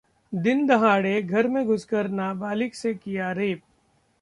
दिनदहाड़े घर में घुसकर नाबालिग से किया रेप